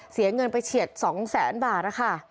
เสียเงินไปเฉียด๒แสนบาทนะคะ